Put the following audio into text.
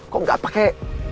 kok nggak pakai